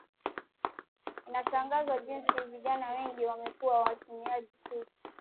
inashangaza jinsi vijana wengi wamekuwa watumiaji sugu